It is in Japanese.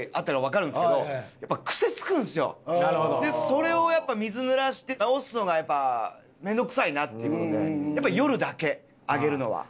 それを水ぬらして直すのがやっぱ面倒くさいなっていうので夜だけ上げるのは。